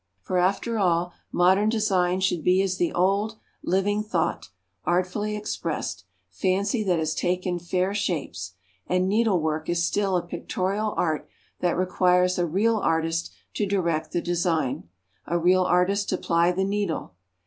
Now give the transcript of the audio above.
For, after all, modern design should be as the old living thought, artfully expressed: fancy that has taken fair shapes. And needlework is still a pictorial art that requires a real artist to direct the design, a real artist to ply the needle.